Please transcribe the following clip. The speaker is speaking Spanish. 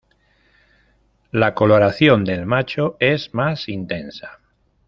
La coloración del macho es más intensa.